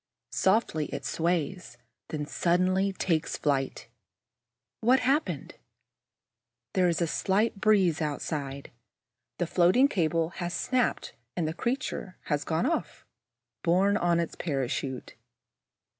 Softly it sways, then suddenly takes flight. What has happened? There is a slight breeze outside. The floating cable has snapped and the creature has gone off, borne on its parachute.